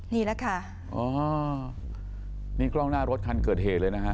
นี่แหละค่ะอ๋อนี่กล้องหน้ารถคันเกิดเหตุเลยนะฮะ